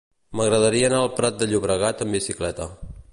M'agradaria anar al Prat de Llobregat amb bicicleta.